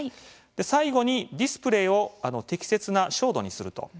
最後にディスプレーを適切な照度にする。